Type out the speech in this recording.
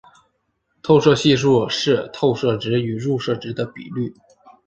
透射系数是透射值与入射值的比率。